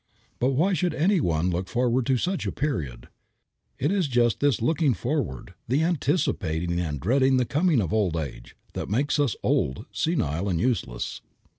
But why should any one look forward to such a period? It is just this looking forward, the anticipating and dreading the coming of old age, that makes us old, senile, useless.